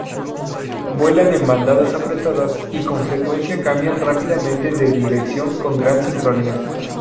Vuelan en bandadas apretadas y con frecuencia cambian rápidamente de dirección con gran sincronía.